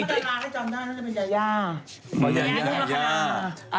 นักศิษย์บรรดาให้จอดได้นักศิษย์บรรดาให้เป็นยา